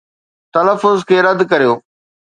تلفظ کي رد ڪريو